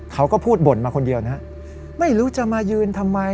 เขาก็พูดบ่นมาคนเดียวนะฮะไม่รู้จะมายืนทำไม